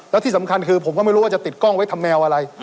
แล้วที่สำคัญคือผมก็ไม่รู้ว่าจะติดกล้องไว้ทำแมวอะไร